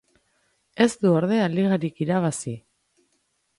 Ez du ordea ligarik irabazi.